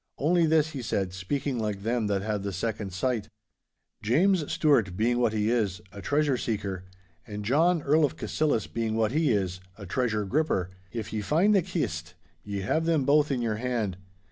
Only this he said, speaking like them that have the second sight,— 'James Stuart being what he is—a treasure seeker—and John, Earl of Cassillis, being what he is—a treasure gripper—if ye find the kist, ye have them both in your hand.